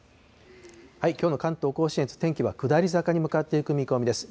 きょうの関東甲信越、天気は下り坂に向かってゆく見込みです。